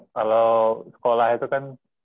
kalau sekolah itu kan